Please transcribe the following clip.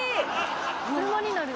「車になる」